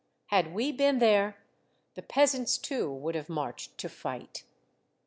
Had we been there, the peasants too would have marched to fight.